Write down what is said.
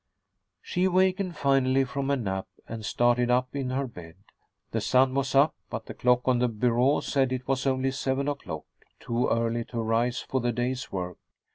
She awakened finally from a nap, and started up in her bed. The sun was up, but the clock on the bureau said it was only seven o'clock, too early to arise for the day's work.